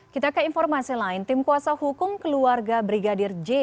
kita ke informasi lain tim kuasa hukum keluarga brigadir j